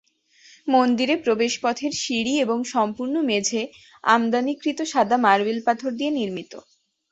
মন্দিরে প্রবেশপথের সিঁড়ি এবং সম্পূর্ণ মেঝে আমদানিকৃত সাদা মার্বেল পাথর দিয়ে নির্মিত।